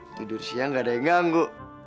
tidur siang gak ada yang ganggu